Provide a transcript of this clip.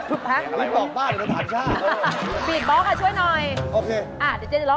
เดี๋ยวเจ๊จะรอ